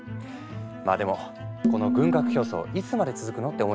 まあでもこの軍拡競争いつまで続くの？って思いますよね。